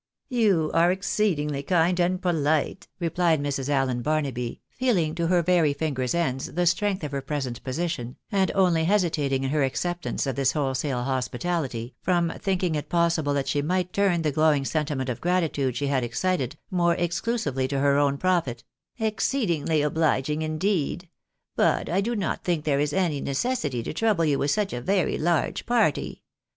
" You are exceedingly kind and polite," replied Mrs. Allen Barnaby, feehng to her very fingers' ends the strength of her pre sent position, and only hesitating in her acceptance of this whole A FIVE FOLD INVITATION. 99 sale hospitality, from thinkiDg it possible that she might turn the glowing sentiment of gratitude she had excited, more exclusively to her own profit —" exceedingly obliging, indeed. But I do not think there is any necessity to trouble you with such a very large party.